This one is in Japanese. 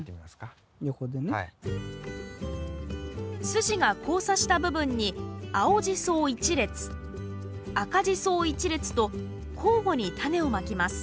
筋が交差した部分に青ジソを１列赤ジソを１列と交互にタネをまきます